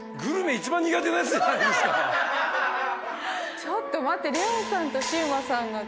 ちょっと待って。